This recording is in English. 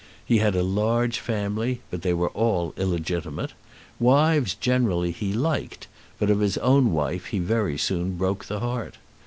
He had a large family, but they were all illegitimate. Wives generally he liked, but of his own wife he very soon broke the heart.